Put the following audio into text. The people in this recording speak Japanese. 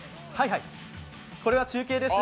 これは中継です。